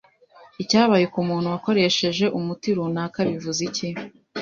Icyabaye ku muntu wakoresheje umuti runaka” bivuze iki?